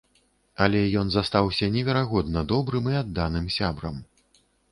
Але ён застаўся неверагодна добрым і адданым сябрам.